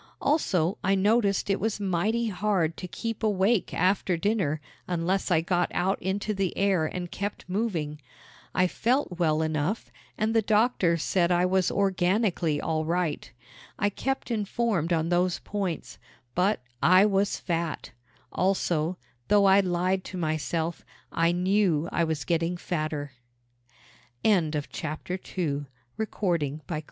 Also, I noticed it was mighty hard to keep awake after dinner unless I got out into the air and kept moving. I felt well enough and the doctors said I was organically all right. I kept informed on those points but I was fat! Also, though I lied to myself, I knew I was getting fatter. CHAPTER III FACING THE TISSUE On New Year's Day, 1911, I weighed myself.